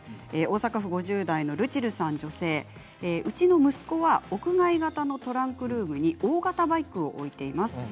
大阪府の女性うちの息子は屋外型のトランクルームに大型バイクを置いています。